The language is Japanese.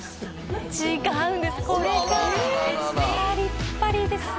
違うんです